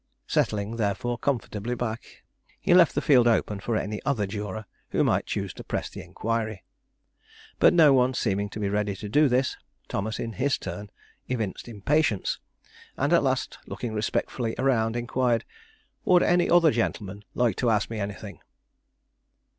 Settling, therefore, comfortably back, he left the field open for any other juror who might choose to press the inquiry. But no one seeming to be ready to do this, Thomas in his turn evinced impatience, and at last, looking respectfully around, inquired: "Would any other gentleman like to ask me anything?"